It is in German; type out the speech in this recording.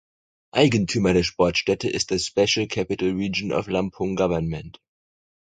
Eigentümer der Sportstätte ist das Special Capital Region of Lampung Government.